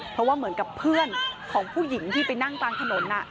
เพราะว่าเหมือนกับเพื่อนของผู้หญิงที่ไปนั่งกลางถนน